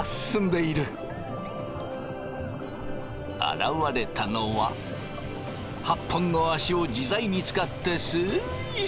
現れたのは８本の足を自在に使ってスイスイ。